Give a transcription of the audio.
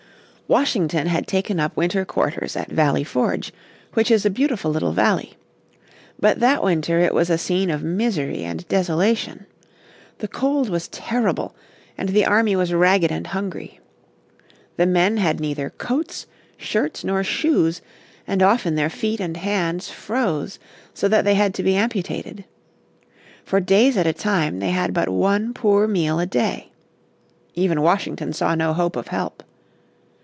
Washington had taken up winter quarters at Valley Forge, which is a beautiful little valley. But that winter it was a scene of misery and desolation. The cold was terrible, and the army was ragged and hungry. The men had neither coats, shirts, nor shoes, and often their feet and hands froze so that they had to be amputated. For days at a time they had but one poor meal a day. Even Washington saw no hope of help.